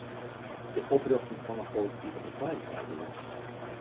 De oprjochting fan in politike partij bygelyks.